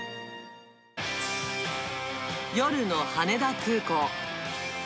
夜の羽田空港。